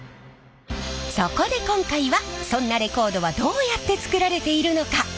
そこで今回はそんなレコードはどうやって作られているのか。